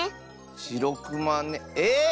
しろくまねえっ